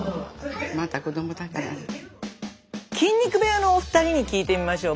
筋肉部屋のお二人に聞いてみましょう。